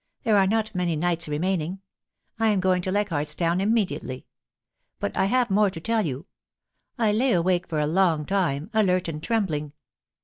There are not many nights remaining, I am going to Leichardc's Town immediately. But I have more to teQ you. ... I lay awake for a long time, alert and trembling.